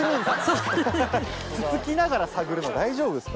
つつきながら探るの大丈夫ですか？